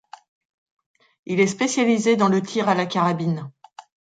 Il est spécialisé dans le tir à la carabine.